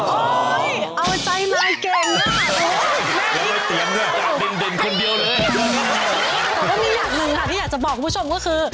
ก็มีอย่างหนึ่งที่อยากจะบอกคุณผู้ชมก็คือ